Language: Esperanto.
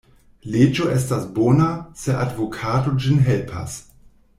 Leĝo estas bona, se advokato ĝin helpas.